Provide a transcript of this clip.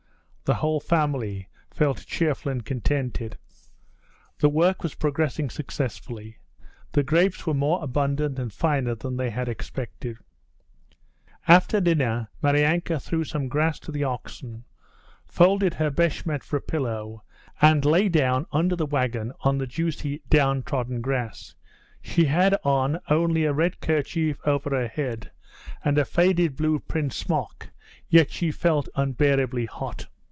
The whole family felt cheerful and contented. The work was progressing successfully. The grapes were more abundant and finer than they had expected. After dinner Maryanka threw some grass to the oxen, folded her beshmet for a pillow, and lay down under the wagon on the juicy down trodden grass. She had on only a red kerchief over her head and a faded blue print smock, yet she felt unbearably hot.